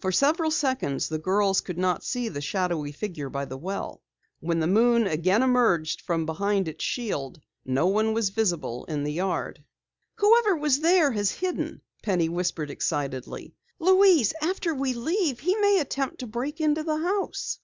For several seconds the girls could not see the shadowy figure by the well. When the moon again emerged from behind its shield no one was visible in the yard. "Whoever was there has hidden!" Penny whispered excitedly. "Louise, after we leave he may attempt to break into the house!"